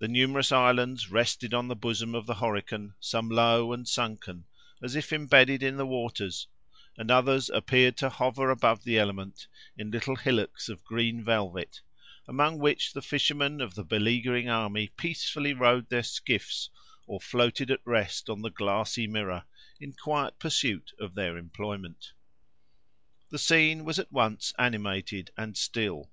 The numerous islands rested on the bosom of the Horican, some low and sunken, as if embedded in the waters, and others appearing to hover about the element, in little hillocks of green velvet; among which the fishermen of the beleaguering army peacefully rowed their skiffs, or floated at rest on the glassy mirror in quiet pursuit of their employment. The scene was at once animated and still.